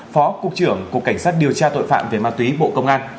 phó cục trưởng cục cảnh sát điều tra tội phạm về ma túy bộ công an